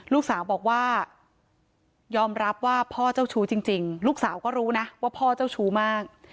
ลูกสาวบอกว่ายอมรับว่าพ่อเจ้าชู้จริงลูกสาวก็รู้นะว่าพ่อเจ้าชู้มาก